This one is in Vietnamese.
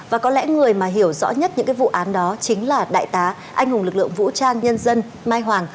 và có lẽ người mà hiểu rõ nhất những cái vụ án đó chính là đại tá anh hùng lực lượng vũ trang nhân dân mai hoàng